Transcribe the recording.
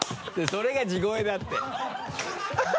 それが地声だって。